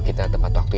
di depan pak randy